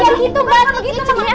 gak gitu mbak